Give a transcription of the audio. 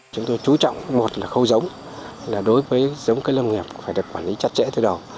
chúng tôi chú trọng một là khâu giống là đối với giống cây lâm nghiệp phải được quản lý chặt chẽ từ đầu